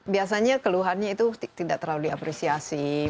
biasanya keluhannya itu tidak terlalu diapresiasi